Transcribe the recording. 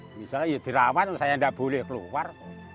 misalnya ya dirawat saya tidak boleh keluar